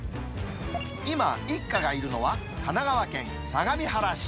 今、一家がいるのは神奈川県相模原市。